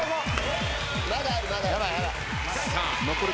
まだあるまだある。